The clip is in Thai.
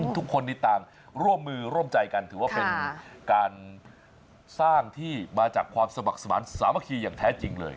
ทุกคนนี้ต่างร่วมมือร่วมใจกันถือว่าเป็นการสร้างที่มาจากความสมัครสมาธิสามัคคีอย่างแท้จริงเลย